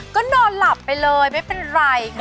ก็นอนหลับไปเลยไม่เป็นไรค่ะ